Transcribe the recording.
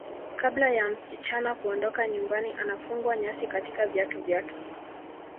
Kabla ya msichana kuondoka nyumbani anafungwa nyasi katika viatu vyake